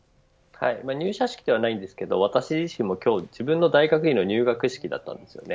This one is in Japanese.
入社式ではないんですけども私自身も今日自分の大学院の入学式だったんですよね。